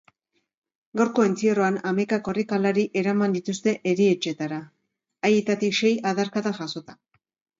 Gaurko entzierroan hamaika korrikalari eraman dituzte erietxeetara, haietatik sei adarkadak jasota.